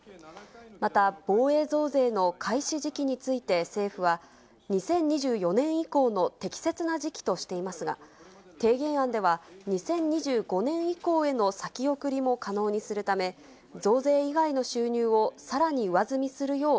また防衛増税の開始時期について政府は、２０２４年以降の適切な時期としていますが、提言案では２０２５年以降への先送りも可能にするため、全国の皆さんこんばんは。